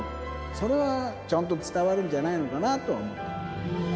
それはちゃんと伝わるんじゃないかなと思う。